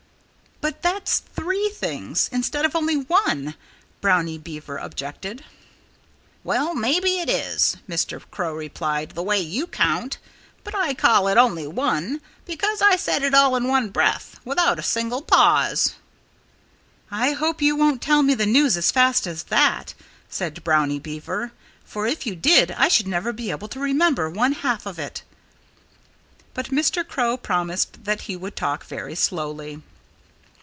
"But that's three things, instead of only one," Brownie Beaver objected. "Well maybe it is," Mr. Crow replied "the way you count. But I call it only one because I said it all in one breath, without a single pause." "I hope you won't tell me the news as fast as that," said Brownie Beaver, "for if you did I should never be able to remember one half of it." But Mr. Crow promised that he would talk very slowly.